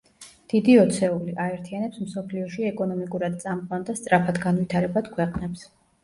დიდი ოცეული, აერთიანებს მსოფლიოში ეკონომიკურად წამყვან და სწრაფად განვითარებად ქვეყნებს.